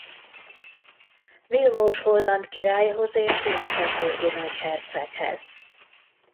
Vilmos holland királyhoz és luxemburgi nagyherceghez.